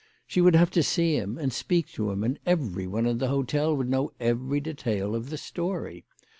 She would have to see him and speak to him, and everyone in the hotel would know every detail of the story.